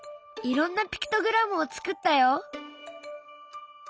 いろんなピクトグラムを作ったよ！